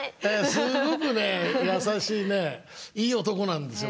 すごく優しいいい男なんですよバースは。